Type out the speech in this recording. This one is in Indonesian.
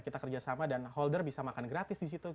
kita kerjasama dan holder bisa makan gratis di situ